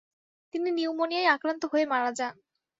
তিনি নিউমোনিয়ায় আক্রান্ত হয়ে মারা যান।